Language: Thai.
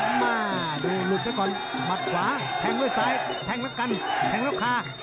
หาเหลี่ยมมาหลุดเร็วก่อนมากขวาแทงด้วยซ้ายแทงตะกันแทงแล้วขา